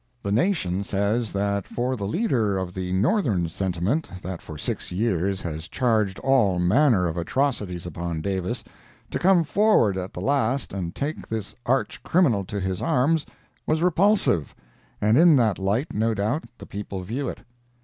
The Nation says that for the leader of the Northern sentiment that for six years has charged all manner of atrocities upon Davis, to come forward at the last and take this arch criminal to his arms, was repulsive—and in that light, no doubt, the people view it.